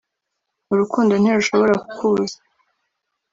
Urukundo ntirushobora kukubuza